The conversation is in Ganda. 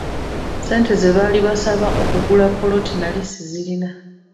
Ssente ze baali basaba okugula ppoloti nali sizirina.